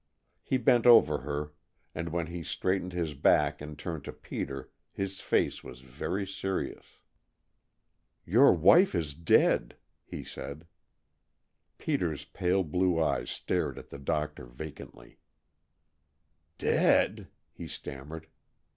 He bent over her, and when he straightened his back and turned to Peter his face was very serious. "Your wife is dead," he said. Peter's pale blue eyes stared at the doctor vacantly. "Dead?" he stammered.